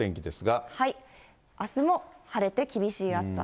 あすも晴れて厳しい暑さ。